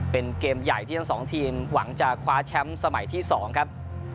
เป็นเกมใหญ่ที่ทั้งสองทีมหวังจะคว้าแชมป์สมัยที่๒ครับ